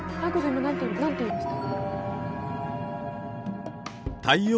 今何て言いました？